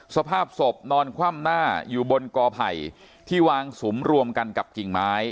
สภาพศพนอนคว่ำหน้าอยู่บนกอไผ่ที่วางสุมรวมกันกับกิ่งไม้